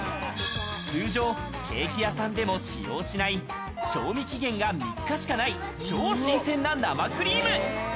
通常、ケーキ屋さんでも使用しない賞味期限が３日しかない超新鮮な生クリーム。